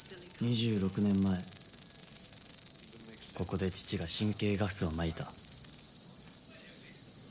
２６年前ここで父が神経ガスをまいた。